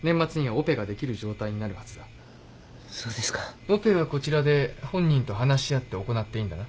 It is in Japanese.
オペはこちらで本人と話し合って行っていいんだな？